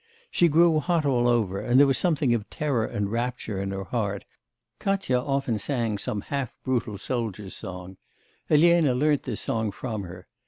She grew hot all over, and there was something of terror and rapture in her heart. Katya often sang some half brutal soldier's song. Elena learnt this song from her....